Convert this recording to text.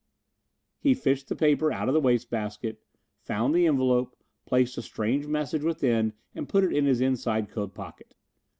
He fished the paper out of the waste basket, found the envelope, placed the strange message within and put it in his inside coat pocket.